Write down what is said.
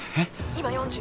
「今４０。